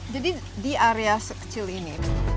jadi di area sekecil ini